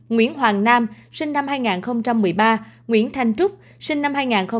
nguyễn hoàng nam sinh năm hai nghìn một mươi ba nguyễn thanh trúc sinh năm hai nghìn một mươi